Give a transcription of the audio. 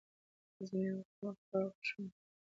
زه مېوه خوړل خوښوم.